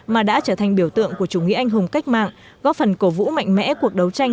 mà đã trở thành biểu tượng của chủ nghĩa anh hùng cách mạng góp phần cổ vũ mạnh mẽ cuộc đấu tranh